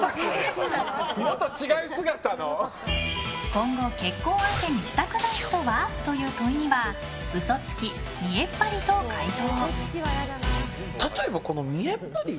今後、結婚相手にしたくない人は？という問いには嘘つき、見栄っ張りと回答。